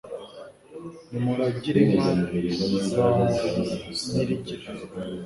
Nimuragire inka za Nyirigira